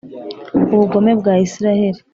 Ubugome bwa Israheli